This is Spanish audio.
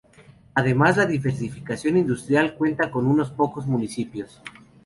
Además de la diversificación industrial, cuenta con unos pocos municipios.